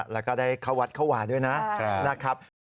แล้วก็ได้เข้าวัดเข้าวาด้วยนะครับ